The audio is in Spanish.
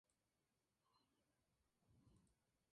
La idea era hacer retratos individuales de cada hija.